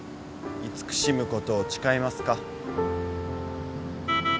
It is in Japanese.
慈しむことを誓いますか？